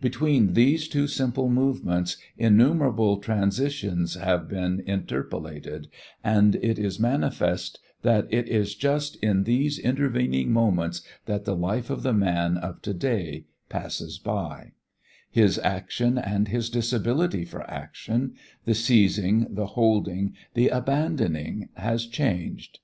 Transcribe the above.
Between these two simple movements innumerable transitions have been interpolated, and it is manifest that it is just in these intervening moments that the life of the man of to day passes by; his action and his disability for action, the seizing, the holding, the abandoning has changed.